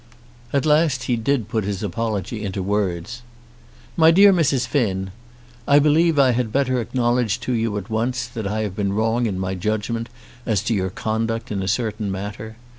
At last he did put his apology into words. MY DEAR MRS. FINN, I believe I had better acknowledge to you at once that I have been wrong in my judgment as to your conduct in a certain matter.